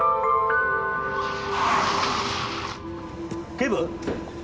警部。